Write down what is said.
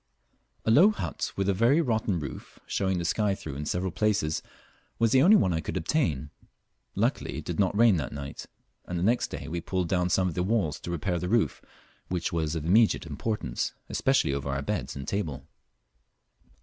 A low hut with a very rotten roof, showing the sky through in several places, was the only one I could obtain. Luckily it did not rain that night, and the next day we pulled down some of the walls to repair the roof, which was of immediate importance, especially over our beds and table.